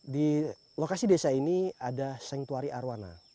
di lokasi desa ini ada sengtuari arwana